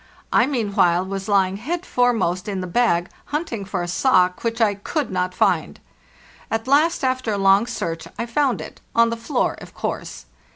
I, meanwhile, was lying head foremost in the bag, hunting for a sock which I couéd not find. At last, after a long search, I found it—on the floor, of course.